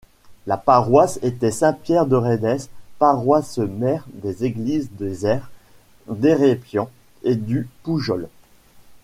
La paroisse était Saint-Pierre-de-Rhèdes, paroisse mère des églises des Aires, d'Hérépian et du Poujol.